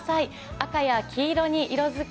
赤や黄色に色づき